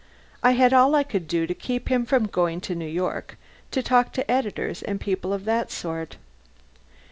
I had all I could do to keep him from going to New York to talk to editors and people of that sort.